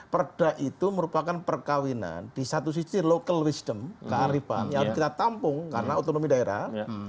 perda itu merupakan perkawinan di satu sisi local wisdom kearifan yang kita tampung karena otonomi daerah